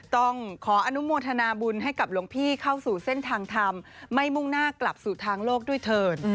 ต้องขออนุโมทนาบุญให้กับหลวงพี่เข้าสู่เส้นทางธรรมไม่มุ่งหน้ากลับสู่ทางโลกด้วยเถิน